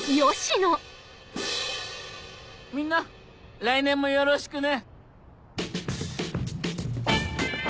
みんな来年もよろしくね。